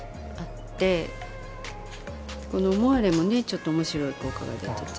このモアレもねちょっと面白い効果が出てて。